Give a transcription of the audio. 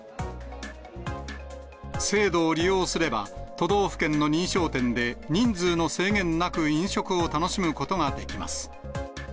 制度を利用すれば、都道府県の認証店で人数の制限なく飲食を楽しむことができます。